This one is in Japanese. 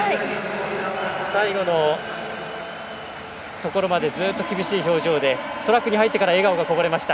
最後のところまで、ずっと厳しい表情でトラックに入ってから笑顔がこぼれました。